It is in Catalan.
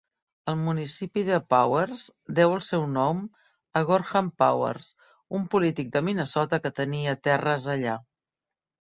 El municipi de Powers deu el seu nom a Gorham Powers, un polític de Minnesota que tenia terres allà.